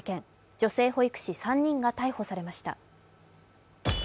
女性保育士３人が逮捕されました。